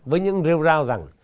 với những rêu rao rằng